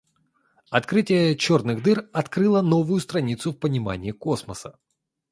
Открытие черных дыр открыло новую страницу в понимании космоса.